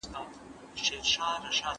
آیا ډیجیټل کامره تر انلاګ کامرې ښه ده؟